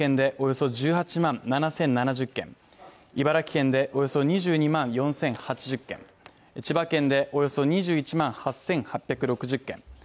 埼玉県でおよそ１８万７０７０軒、茨城県でおよそ２２万４０８０軒千葉県でおよそ２１万８８６０軒